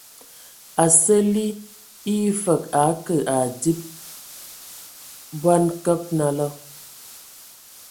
A sǝ ali, e yǝ fǝg a akǝ a adib bɔn kǝg nalá.